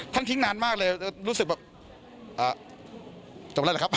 ท่านทิ้งนานมากเลยรู้สึกแบบอ่ะจบแล้วเหรอครับ